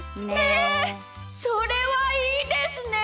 それはいいですね！